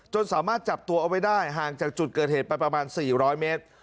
สามารถจับตัวเอาไว้ได้ห่างจากจุดเกิดเหตุไปประมาณ๔๐๐เมตร